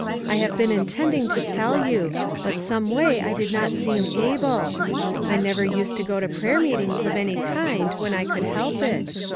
I have been in tending to tell you ; but some way I did not seem able. I never used to go to prayer meetings of any kind, when I could help it.